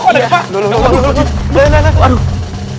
aduh bener banget